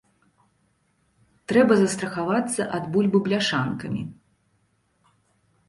Трэба застрахавацца ад бульбы бляшанкамі.